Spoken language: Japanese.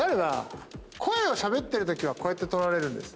声をしゃべってるときはこうやって取られるんです。